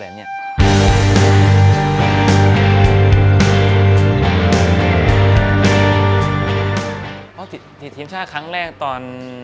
นะทีมชาติครั้งแรกตอน